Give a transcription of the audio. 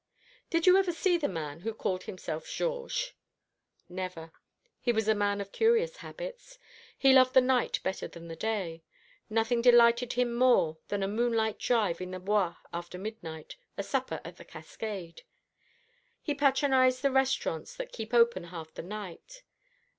"Did you ever see the man who called himself Georges?" "Never. He was a man of curious habits. He loved the night better than the day. Nothing delighted him more than a moonlight drive in the Bois after midnight, a supper at the Cascade. He patronised the restaurants that keep open half the night.